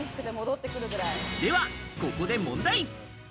では、ここで問題。